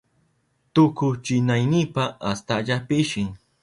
Tukuchinaynipa astalla pishin.